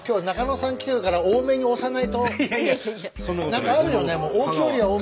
何かあるよね。